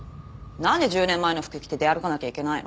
なんで１０年前の服着て出歩かなきゃいけないの？